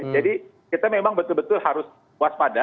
jadi kita memang betul betul harus waspada